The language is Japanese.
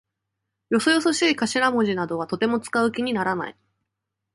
よそよそしい頭文字かしらもじなどはとても使う気にならない。